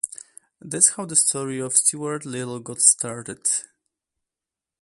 That's how the story of Stuart Little got started.